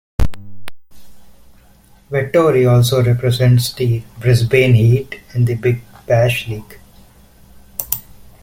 Vettori also represents the Brisbane Heat in the Big Bash League.